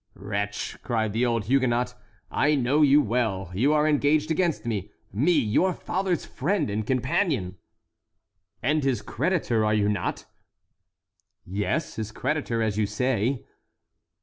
"Wretch!" cried the old Huguenot, "I know you well; you are engaged against me—me, your father's friend and companion." "And his creditor, are you not?" "Yes; his creditor, as you say."